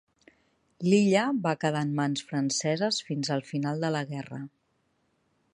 L'illa va quedar en mans franceses fins al final de la guerra.